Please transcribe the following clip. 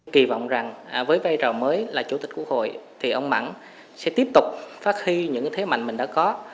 kỳ vọng rằng với bây giờ mới là chủ tịch quốc hội thì ông mẵng sẽ tiếp tục phát huy những thế mạnh mình đã có